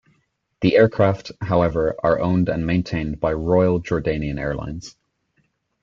The aircraft, however, are owned and maintained by Royal Jordanian Airlines.